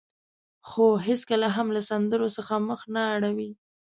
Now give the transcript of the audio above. خو هېڅکله هم له سندرو څخه مخ نه اړوي.